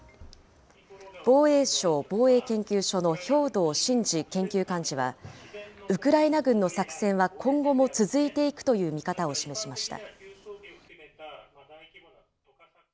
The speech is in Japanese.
防衛省防衛研究所の兵頭慎治研究幹事は、ウクライナ軍の作戦は今後も続いていくという見方を示しました。